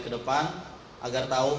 kedepan agar tahu